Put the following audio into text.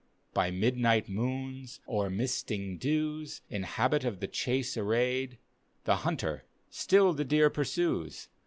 By midnight moons, o'er misting dews. In habit of the chase arrayed, The hunter still the deer pursues.